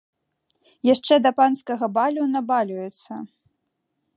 Яшчэ да панскага балю набалюецца!